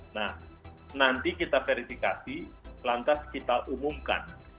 nah nanti kita verifikasi lantas kita umumkan